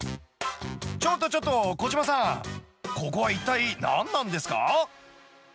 ちょっとちょっと、小島さん、ここは一体、何なんですか。